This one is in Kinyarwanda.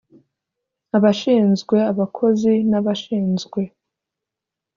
abashinzwe abakozi n abashinzwe